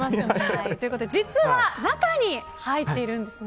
実は中に入っているんです。